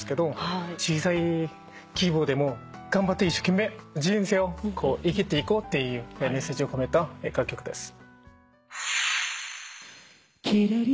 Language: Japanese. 小さい希望でも頑張って一生懸命人生を生きていこうっていうメッセージを込めた楽曲です。